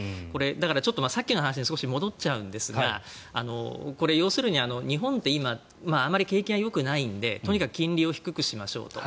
だからさっきの話にちょっと戻っちゃうんですがこれ、要するに日本って今、あまり景気がよくないのでとにかく金利を低くしましょうと。